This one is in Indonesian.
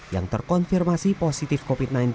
yang terkonfirmasi positif covid sembilan belas